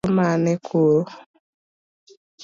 Idwaro mage koro?